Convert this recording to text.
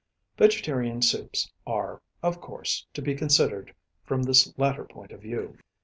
Vegetarian soups are, of course, to be considered from this latter point of view.